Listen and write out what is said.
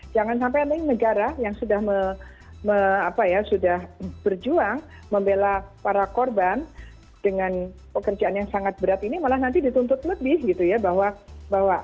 jangan sampai negara yang sudah berjuang membela para korban dengan pekerjaan yang sangat berat ini malah nanti dituntut lebih gitu ya bahwa